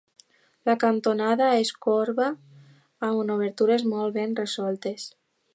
La cantonada és corba, amb obertures molt ben resoltes.